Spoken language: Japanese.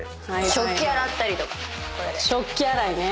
食器洗ったりとかこれで。